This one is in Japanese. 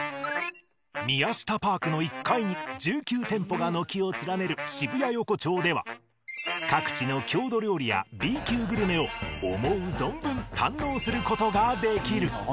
ＭＩＹＡＳＨＩＴＡＰＡＲＫの１階に１９店舗が軒を連ねる渋谷横丁では各地の郷土料理やＢ級グルメを思う存分堪能する事ができる。